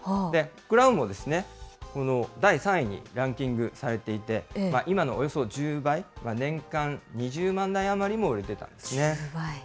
クラウンも第３位にランキングされていて、今のおよそ１０倍、年間２０万台余りも売れてたんですね。